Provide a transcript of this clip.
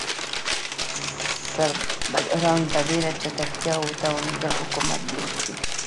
سربداران په ډیره چټکتیا وتوانیدل حکومت جوړ کړي.